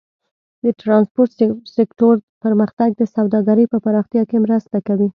د ټرانسپورټ سکتور پرمختګ د سوداګرۍ په پراختیا کې مرسته کوي.